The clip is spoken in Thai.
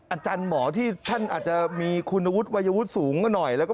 อาจารย์หมอที่ท่านอาจจะมีคุณวุฒิวัยวุฒิสูงกว่าหน่อย